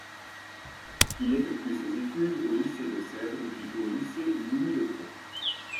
Il effectue ses études au Lycée de Sèvres puis au Lycée Louis-le-Grand.